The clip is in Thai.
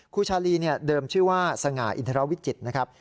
ครูชาลีเดิมชื่อว่าสง่าอินทรวิจิตรนะครับ